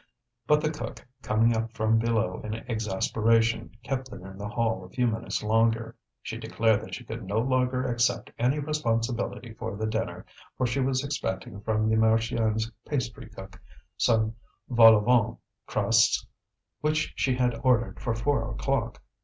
But the cook, coming up from below in exasperation, kept them in the hall a few minutes longer. She declared that she could no longer accept any responsibility for the dinner, for she was expecting from the Marchiennes pastrycook some vol au vent crusts which she had ordered for four o'clock.